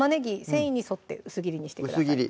繊維に沿って薄切りにしてください